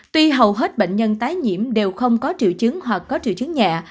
tuy hầu hết bệnh nhân tái nhiễm đều không có triệu chứng hoặc có triệu chứng nhẹ